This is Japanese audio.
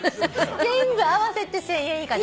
全部合わせて１，０００円以下ですよ。